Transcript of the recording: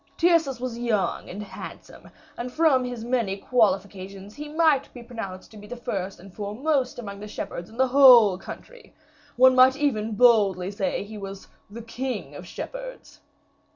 Tyrcis was young and handsome, and, from his many qualifications, he might be pronounced to be the first and foremost among the shepherds in the whole country; one might even boldly say he was the king of shepherds."